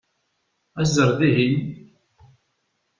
Aẓ ar dihin!